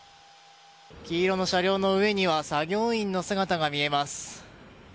黄色の車両の上には作業員の姿が見えます。